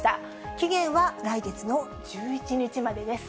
期限は来月の１１日までです。